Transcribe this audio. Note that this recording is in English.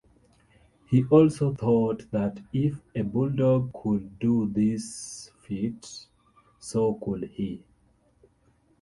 He also thought that if a bulldog could do this feat, so could he.